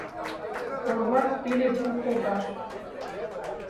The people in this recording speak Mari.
Орват пеле пу погаш